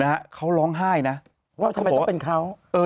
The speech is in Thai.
นะฮะเขาร้องไห้นะว่าทำไมต้องเป็นเขาเออ